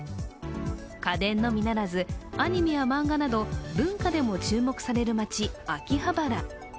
家電のみならずアニメや漫画など文化でも注目される街秋葉原。